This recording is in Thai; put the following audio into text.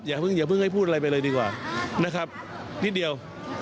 อย่าเพิ่งให้พูดอะไรไปเลยดีกว่านะครับนิดเดียว